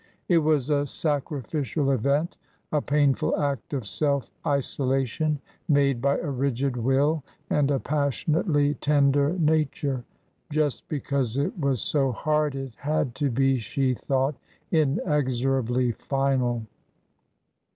It was a sacrificial event, a painful act of self isolation made by a rigid will and a passionately tender nature. Just because it was so hard it had to be, she thought, inexorably final.